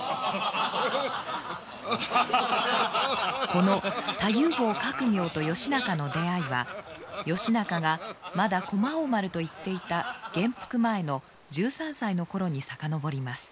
この太夫坊覚明と義仲の出会いは義仲がまだ駒王丸といっていた元服前の１３歳の頃に遡ります。